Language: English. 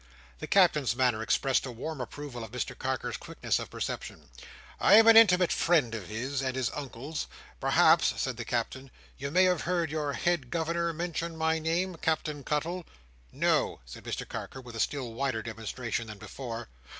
The Captain's manner expressed a warm approval of Mr Carker's quickness of perception. "I'm a intimate friend of his and his Uncle's. Perhaps," said the Captain, "you may have heard your head Governor mention my name?—Captain Cuttle." "No!" said Mr Carker, with a still wider demonstration than before.